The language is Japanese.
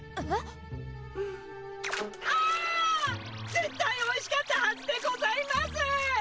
絶対おいしかったはずでございます！